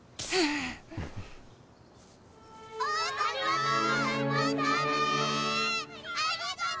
ありがとう！